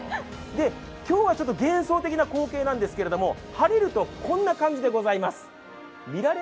今日は幻想的な光景なんですけれども、晴れるとこんな感じでございます。